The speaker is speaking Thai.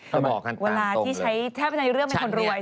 เพียงอะไรกับคนตามตรงเลย